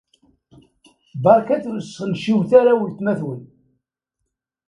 Beṛkat ur sxenciwet ara weltma-twen.